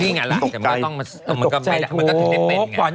นี่ไงล่ะมันก็ไม่เป็นอย่างเงี้ยตกใจตกใจ